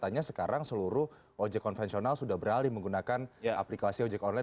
katanya sekarang seluruh ojek konvensional sudah beralih menggunakan aplikasi ojek online